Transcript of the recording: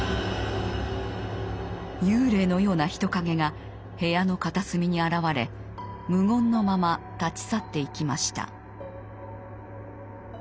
幽霊のような人影が部屋の片隅に現れ無言のまま立ち去っていきました。